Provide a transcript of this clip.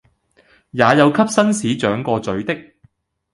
也有給紳士掌過嘴的，